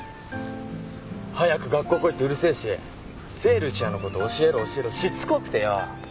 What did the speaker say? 早く学校来いってうるせえし聖ルチアのこと教えろ教えろしつこくてよ。